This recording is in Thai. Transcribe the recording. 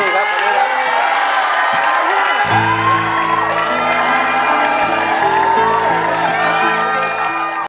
ขอบคุณครับ